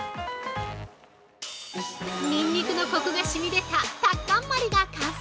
ニンニクのコクが染み出たタッカンマリが完成！